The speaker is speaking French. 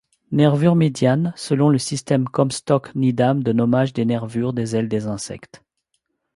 Nervure médiane, selon le système Comstock-Needham de nommage des nervures des ailes des insectes.